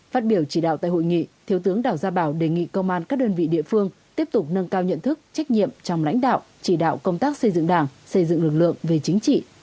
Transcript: phát biểu chỉ đạo tại hội nghị thiếu tướng đào gia bảo đề nghị công an các đơn vị địa phương tiếp tục nâng cao nhận thức trách nhiệm trong lãnh đạo chỉ đạo công tác xây dựng đảng xây dựng lực lượng về chính trị